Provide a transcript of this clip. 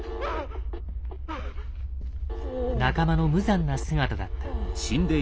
仲間の無残な姿だった。